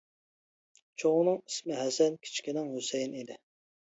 چوڭىنىڭ ئىسمى ھەسەن، كىچىكىنىڭ ھۈسەيىن ئىدى.